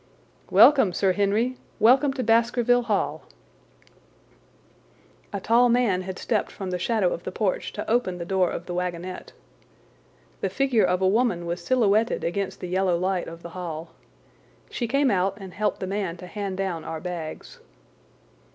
"Welcome, Sir Henry! Welcome to Baskerville Hall!" A tall man had stepped from the shadow of the porch to open the door of the wagonette. The figure of a woman was silhouetted against the yellow light of the hall. She came out and helped the man to hand down our bags.